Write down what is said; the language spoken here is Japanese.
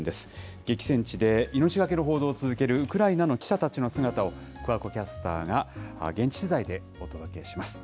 激戦地で命懸けの報道を続けるウクライナの記者たちの姿を、桑子キャスターが現地取材でお届けします。